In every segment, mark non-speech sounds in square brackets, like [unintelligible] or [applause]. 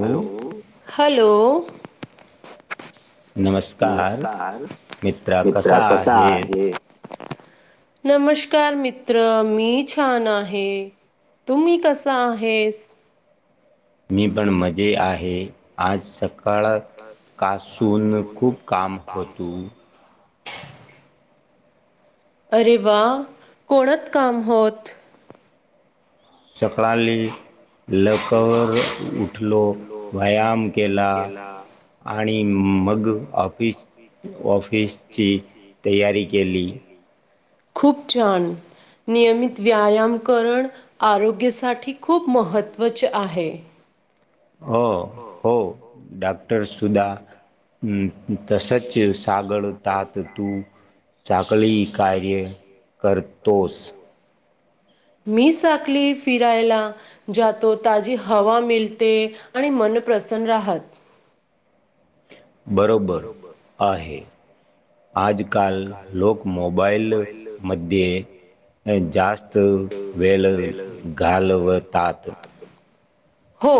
Hello hello. [unintelligible] नमस्कार मित्रा कसा आहे? नमस्कार मित्र मी छान आहे तुम्ही कसा आहेस? मी पण मजे आहे आज सक् कळ कासून खूप काम होत. अरे वा कोणात काम होत. चकराली लकर उठलो व्यायाम केला आणि आणि मग आप ऑफिस ऑफिसची तयारी केली. खूप छान नियमित व्यायाम करण आरोग्यासाठी खूप महत्त्वाचे आहे. हो हो डाक्टर सुद्धा तसच सागळताक तू सागळी कार्य करतोस. मी साकली फिरायला जातो ताजी हवा मिळते आणि मनप्रसन्न राहत. बरोबर आहे. आज काल लोक मोबाईलमध्ये जास्त वेल घालवतात. हो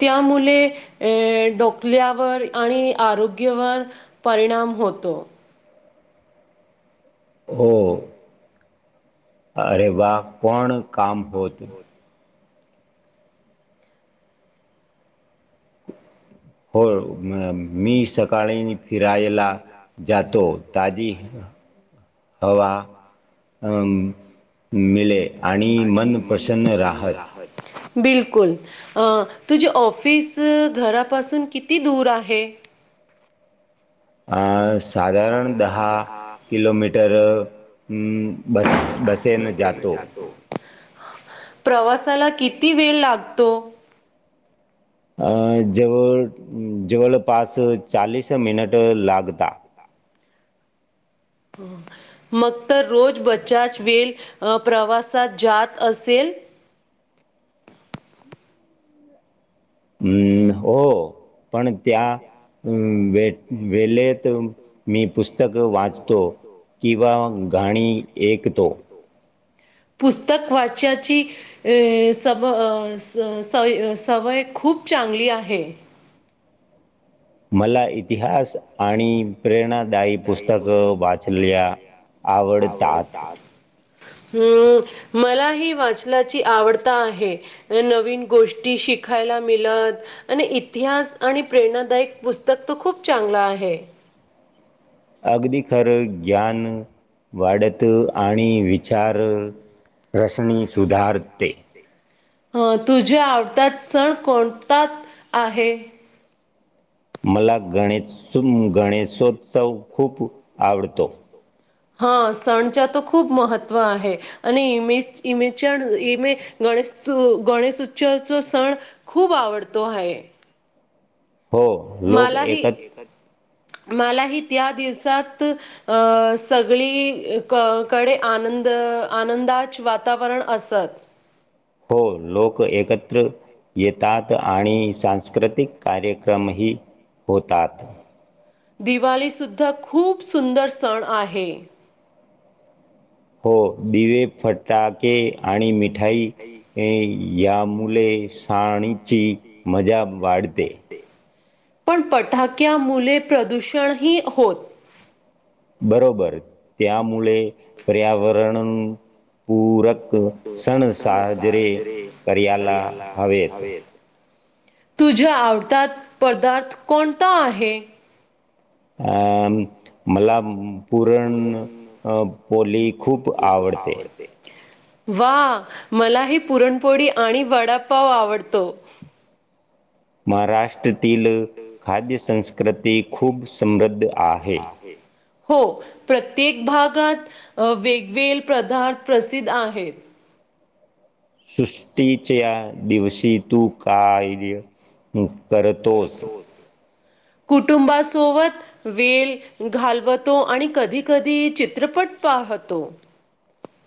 त्यामुळे डोकल्यावर आणि आरोग्यावर परिणाम होतो. हो. अरे वा पण काम होत. हो मी स सकाळी फिरायला जातो दधी हवा मिले आणि मन प्रसन्न राहत. बिलकुल तुझी ऑफिस घरापासून किती दूर आहे. अ साधारण दहा किलोमीटर हम्म. बस बसेन जातो. प्रवासाला किती वेळ लागतो. अ जवळ जवळ तपास चाळीस मिनटं लागतात. मग तर रोज बचाच वेळ प्रवासात जात असेल. हम्म हो. पण त्या वेट वेले मी पुस्तक वाचतो किंवा गाणी ऐकतो. पुस्तक वाचाची स सवय खूप चांगली आहे. मला इतिहास आणि प्रेरणा दाई पुस्तक वाचल्या आवडतात. हम मला ही वाचलाची आवडता आहे नवीन गोष्टी शिकायला मिळत आणि इतिहास आणि प्रेरणादायक पुस्तक तो खूप चांगला आहे. अगदी खरं ग्यान वाढत आणि विचार रचणी सुधारते. तुझ्या आवत्यात सण कोणता आहे? मला गणेश गणेशोत्सव खूप आवडतो. हा सणचा तो खूप महत्त्व आहे! आणि इमे इमेच इमे गणेश गणेश उत्सवाचा सण खूप आवडतो आहे. हो लोक एकत मलाही त्या दिवसात अं सगळीकडे आनंद आनंदाच वातावरण असत. येतात आणि सांस्कृतिक कार्यक्रम ही होतात. दिवाळीसुद्धा खूप सुंदर सण आहे. हो दिवे फटाके आणि मि ठाई हे या मुळे पाणीची मजा वाढते! पण पटाक्या मुले प्रदूषणही होत बरोबर त्यामुळे पर्यावरण पूरक एक सण साजरे करयला हवेत. तुझ्या आवडतात पदार्थ कोणता आहे? अ मला पुरण पोली खूप आवडते. वा मलाही पुरणपोळी आणि वडापाव आवडतो. महाराष्ट्र तील खाद्य सं -स्कृती खूप समृद्ध आहे. हो प्रत्येक भागात वेगवेळ पदार्थ प्रसिद्ध आहेत. सृष्टीच्या दिवशी तू काय करतोस? कुटुंबासोबत वेल घालवतो आणि कधी कधी चित्रपट पाहतो.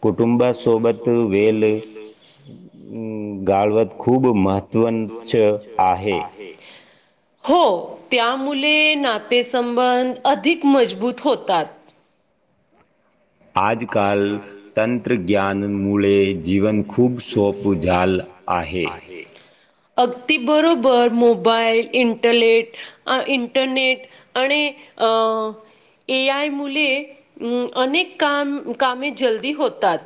कुटुंबासोबत वेल हम्म. घालवत खू खूब महत्त्वचछ आहे. हो त्या मुले नातेसंबंध अधिक मजबूत होतात. आजकाल तंत्रज्ञानमुळे जीवन खूप सोप झालं आहे. अगदी बरोबर मोबाईल इंटरलेट इंटरनेट आणि एआय मुले अनेक काम कामे जल्दी होतात.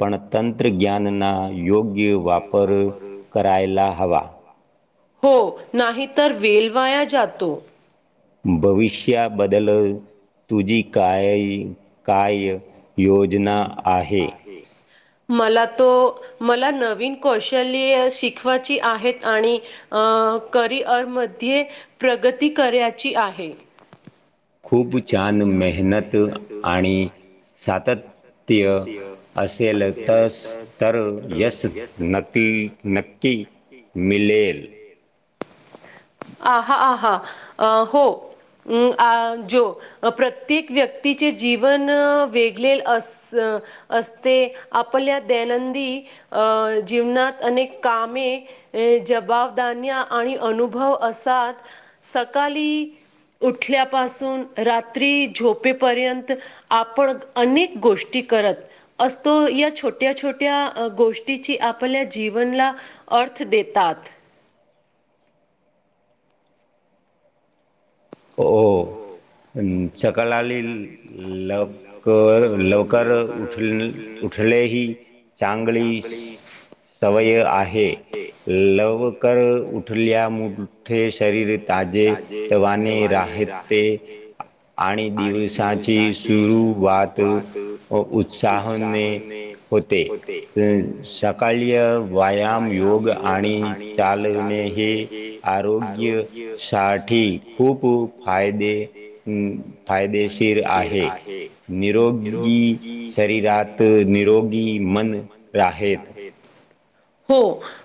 पण तंत्र ज्ञानना योग्य वापर करायला. हवा. हो नाही तर वेल वाया जातो. भविष्याबद्दल तुझी काय काय योजना आहे? मला तो मला नवीन कौशल्य शिकवायची आहेत आणि करिअरमध्ये प्रगती करायची आहे. खूप छान मेहनत आणि सातत्या त्य असेल तर यश नक्की नक्की मिलेल. आहा आहा हो जो प्रत्येक व्यक्तीचे जीवन वे- -लेल अस असते. आपल्या दैनंदी अ जीवनात अनेक कामे जबाबदान्या आणि अनुभव असात. सकाळी उठल्यापासून रात्री झोपेपर्यंत आपण अनेक गोष्टी करत असतो. या छोट्या छोट्या गोष्टीची आपल्या जीवनला अर्थ देतात. हो हो ह्. कलाली लवकर लवकर उठ उठले ही चांगली सवय आहे लवकर उठल्या मोठे शरीर ताजे तवाने राहते आणि दिवसाची सुरुवात उत्साहने होते सकाळी व्यायाम योग आणि चालवणे हे आरोग्य साठी खूप खूप फायदे अ फायदे फायदेशीर आहे निरोगी शरीरात निरोगी मन राहेत हो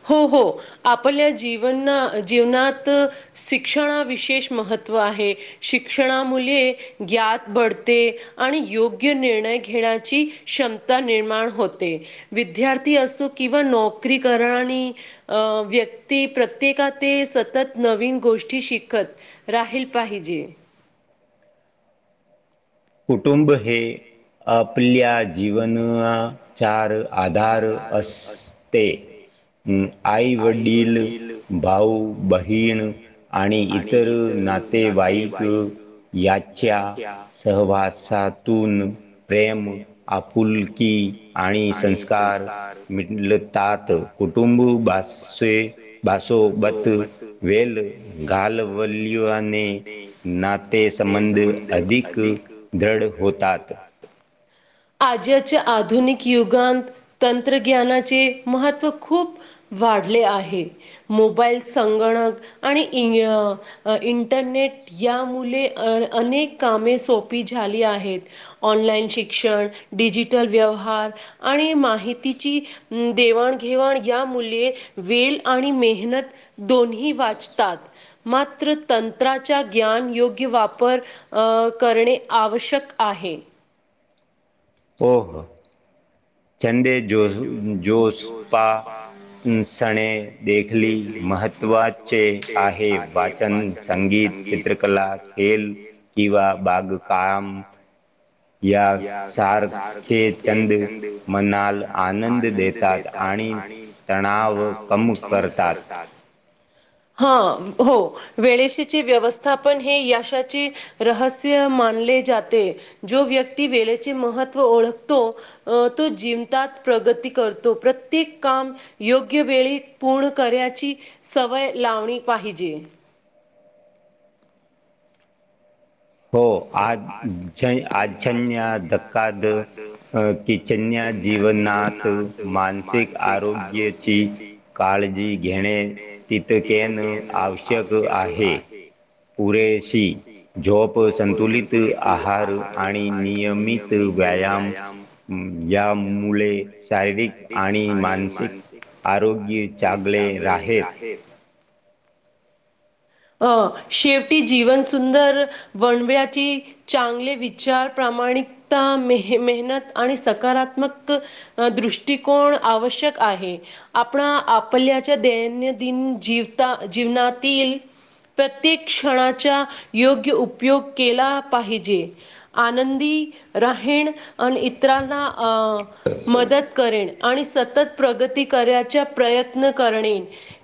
हो हो आपल्या जीवना जीवनात शिक्षण विशेष महत्त्व आहे शिक्षणामुले ज्ञात बढते आणि योग्य निर्णय घेण्याची क्षमता निर्माण होते विद्यार्थी असो किंवा नोकरी कर आणि अ व्यक्ती प्रत्येकात सतत नवीन गोष्टी शिकत राहील पाहिजे कुटुंब हे अपल्या जीवना चार आधार असते आई वडील भाऊ बहीण आणि इतर नातेवाईक याच्या सहवासातून प्रेम आपुलकी आणि संस्कार कार मिटलतात कुटुंबे बासोबत वेल घालवलने नाते संबंध अधिक [unintelligible] एक दृढ होतात आज्याच्या आधुनिक युगात तंत्रज्ञानाचे महत्त्व खूप वाढले आहे मोबाईल संगणक आणि इ इंटरनेट यामुले अनेक कामे सोपी झाली आहेत ऑनलाईन शिक्षण डिजिटल व्यवहार आणि माहि हितीची देवाण घेवाण या मुले वेल आणि मेहनत दोन्ही वाचतात मात्र तंत्राचा ज्ञान योग्य वापर करणे आवश्यक आहे ओ हो छंदे जो जोसपा सणे देखली महत्त्वाचे आहे वाचन संगीत चित्रकला खेल किंवा बागकाम या सारखे चंद मना मनाला आनंद देतात आणि तणाव कमुसरतात हा हो वेळेशीचे व्यवस्थापन हे यशाचे रहस्य मानले जाते जो व्यक्ती वेळेचे महत्व ओळखतो तो जी प्रगती करतो प्रत्येक काम योग्य वेळी पूर्ण कराची सवय लावणी पाहिजे हो आज आजजन्य धक्काद किचन्या जीवनात मानसिक आरोग्याची काळजी घेणे तितकेन आवश्यक आहे पुरेशी जोप सं त आहार आणि नियमित व्यायाम यामुळे शारीरिक आणि मानसिक आरोग्य चांगले राहेत अ शेवटी जीवन सुंदर वनव्याची चांगले विचार प्रामाणिकता मे मेहनत आणि सकारात्मक दृष्टिकोन आवश्यक आहे आपण आपल्याच्या दैनंदिन जीवता जीवनातील प्रत्येक क्षणाचा योग्य उपयोग केला पाहिजे आनंदी राहीण आणि इतरांना अ मदत करेण आणि सतत प्रगती करायचा प्रयत्न करणे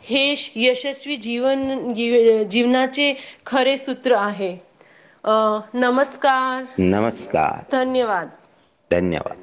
हे यशस्वी जीवन जीवनाचे खरे सूत्र आहे अ नमस्कार कार नमस्कार धन्यवाद. धन्यवाद.